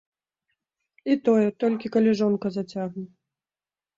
І тое, толькі калі жонка зацягне.